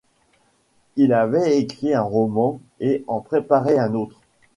Il avait écrit un roman et en préparait un autre.